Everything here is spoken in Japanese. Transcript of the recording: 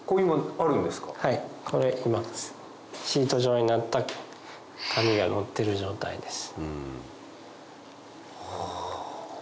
シート状になった紙がのってる状態です。